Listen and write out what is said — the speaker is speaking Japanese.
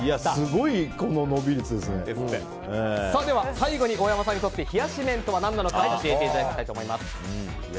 最後に大山さんにとって冷やし麺とは何なのか教えていただきたいと思います。